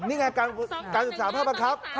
นี่ไงการศึกษาภาพบังคับ